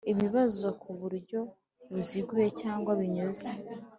Ibibazo ku buryo buziguye cyangwa binyuze